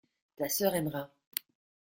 Ta sœur aimera.